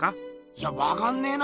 いやわかんねえな。